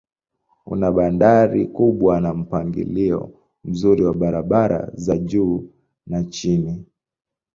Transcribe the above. Una bandari kubwa na mpangilio mzuri wa barabara za juu na chini.